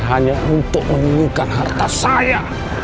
hanya untuk menginginkan harta saya